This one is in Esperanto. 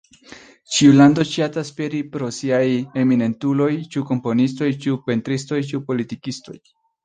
Ĉiu lando ŝatas fieri pro siaj eminentuloj, ĉu komponistoj, ĉu pentristoj, ĉu politikistoj...